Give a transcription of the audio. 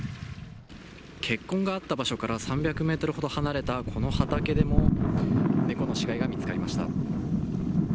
血痕があった場所から３００メートルほど離れたこの畑でも、猫の死骸が見つかりました。